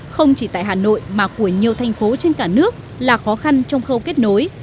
không chỉ tại hà nội mà của nhiều thành phố trên cả nước là khó khăn trong khâu kết nối